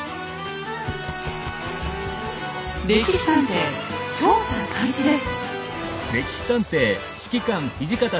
「歴史探偵」調査開始です。